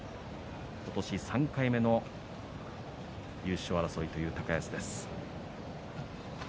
今年３回目の優勝争いという高安です。